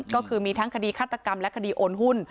ก็คือมีทั้งคดีฆาตกรรมและคดีโอนหุ้น